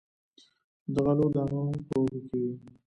د غلو دانې په وږو کې وي.